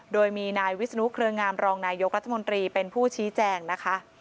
โดยมีนายวิศนุเครืองามรองนายกรัฐมนตรีเป็นผู้ชี้แจงนะคะ